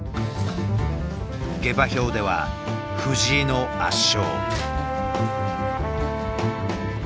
下馬評では藤井の圧勝。